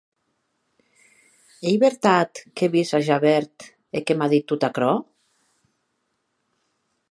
Ei vertat qu’è vist a Javert e que m’a dit tot aquerò?